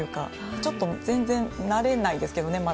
ちょっと全然慣れないですけどねまだ。